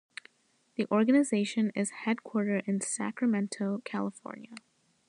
The organization is headquartered in Sacramento, California.